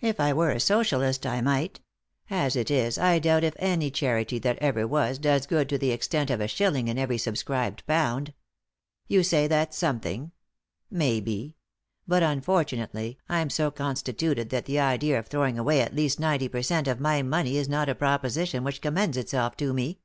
If I were a Socialist I might ; as it is, I doubt if any charity that ever was does good to the extent of a shilling in every subscribed pound. You say that's 84 3i 9 iii^d by Google THE INTERRUPTED KISS something! Maybe. But, unfortunately, I'm so con stituted that the idea of throwing away at least ninety per cent of my money is not a proposition which commends itself to me.